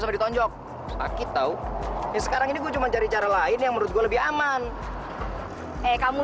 sampai ditonjok sakit tau sekarang ini gua cuma cari cara lain yang menurut gua lebih aman eh kamu